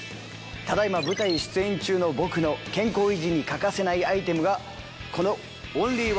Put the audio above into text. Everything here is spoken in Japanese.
ただ今舞台に出演中の僕の健康維持に欠かせないアイテムがこの。